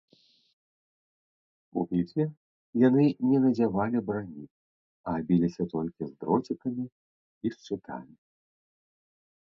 У бітве яны не надзявалі брані, а біліся толькі з дроцікамі і шчытамі.